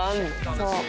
そう。